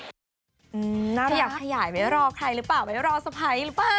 ขยับขยายไม่รอใครหรือเปล่าไม่รอสะพัยหรือเปล่า